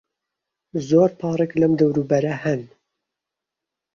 زۆر پارک لەم دەوروبەرە هەن.